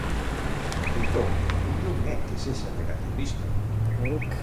Entón, non é que sexa negacionista.